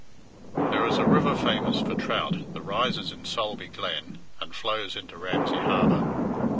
There is a river famous for trout that rises in Sulby glen and flows into Ramsey harbour.